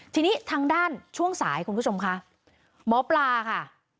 ทีนี้ทางด้านช่วงสายคุณผู้ชมค่ะหมอปลาค่ะ